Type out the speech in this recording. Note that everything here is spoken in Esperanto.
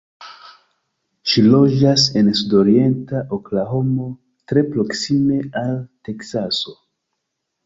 Ŝi loĝas en sudorienta Oklahomo, tre proksime al Teksaso.